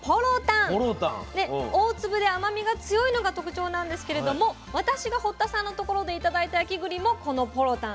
大粒で甘みが強いのが特徴なんですけれども私が堀田さんのところで頂いた焼きぐりもこの「ぽろたん」。